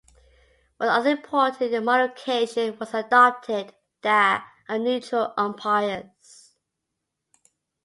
One other important modification was adopted - that of neutral umpires.